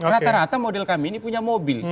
rata rata model kami ini punya mobil